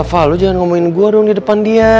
val lo jangan ngomongin gua dong di depan dia